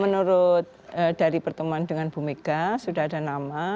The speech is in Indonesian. menurut dari pertemuan dengan bumega sudah ada nama